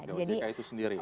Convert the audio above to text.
ojk itu sendiri